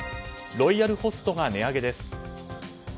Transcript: ロイヤルホストが値上げです。